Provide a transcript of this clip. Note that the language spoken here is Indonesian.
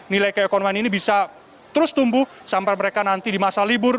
nilai keekonomian ini bisa terus tumbuh sampai mereka nanti di masa libur